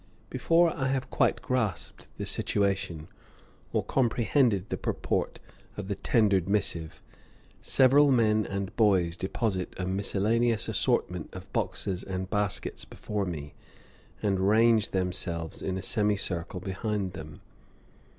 Before I have quite grasped the situation, or comprehended the purport of the tendered missive, several men and boys deposit a miscellaneous assortment of boxes and baskets before me and range themselves in a semicircle behind them.